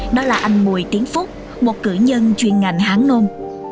đó là anh bùi tiến phúc một cử nhân chuyên ngành hán nôn